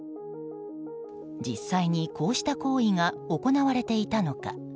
実際に、こうした行為が行われていたのか。